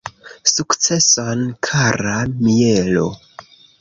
Sukceson kara Mielo!